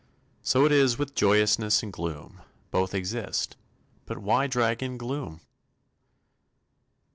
So it is with Joyousness and Gloom. Both exist, but why drag in Gloom?